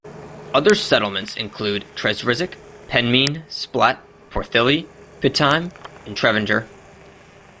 Other settlements include Tredrizzick, Penmean, Splatt, Porthilly, Pityme and Trevanger.